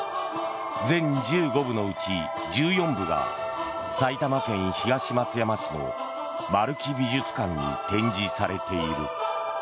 全１５部のうち１４部が埼玉県東松山市の丸木美術館に展示されている。